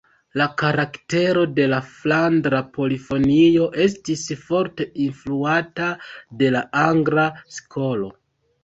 La karaktero de la flandra polifonio estis forte influata de la Angla Skolo.